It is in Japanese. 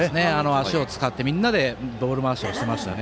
足を使って、みんなでボール回しをしていましたね。